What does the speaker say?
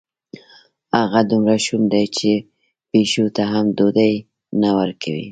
هغه دومره شوم دی، چې پیشو ته هم ډوډۍ نه ورکوي.